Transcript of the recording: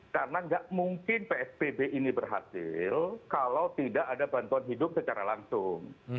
karena nggak mungkin psbb ini berhasil kalau tidak ada bantuan hidup secara langsung